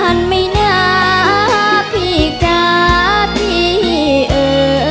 จากวันเป็นเดือนเลื่อนไปปีกว่าอีกนานไม่นาน